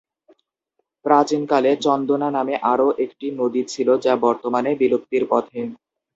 প্রাচীনকালে চন্দনা নামে আরো একটি নদী ছিল যা বর্তমানে বিলুপ্তির পথে।